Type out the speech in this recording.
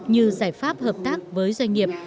như giải pháp hợp tác với doanh nghiệp